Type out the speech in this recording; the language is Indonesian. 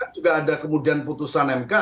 juga ada kemudian putusan mk